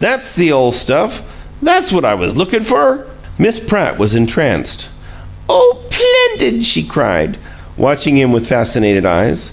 That's the ole stuff! That's what I was lookin' for!" Miss Pratt was entranced. "Oh, 'plendid!" she cried, watching him with fascinated eyes.